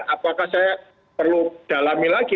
apakah saya perlu dalami lagi